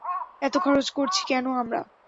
এত খরচ করছি কেন আমরা?